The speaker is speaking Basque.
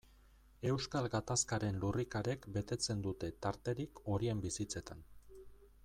Euskal Gatazkaren lurrikarek betetzen dute tarterik horien bizitzetan.